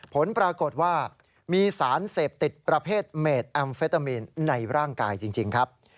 ผลปรากฏว่ามีสารเสพติดประเภทเมดแอมเฟตามีนในร่างกายจริงครับ